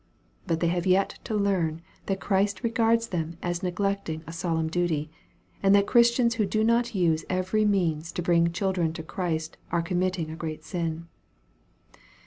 But they have yet to learn that Christ regards them as neglecting a solemn duty, and that Christians who do not use every means to bring children to Christ are committing a great sin.